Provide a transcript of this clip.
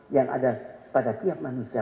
yang ada pada tiap manusia